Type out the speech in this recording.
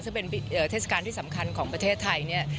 ซึ่งเป็นเทศกาลที่สำคัญของประเทศไทยเนี่ย